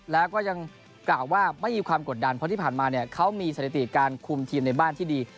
แล้วก็ยังกล่าวว่าไม่มีความกดดันเพราะที่ผ่านมาเนี่ยเขามีสถิติการคุมทีมในบ้านที่ดี